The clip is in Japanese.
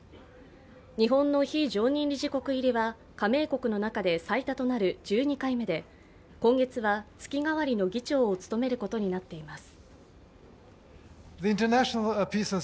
日本の非常任理事国入りは加盟国の中で最多となる１２回目で、今月は月替わりの議長を務めることになっています。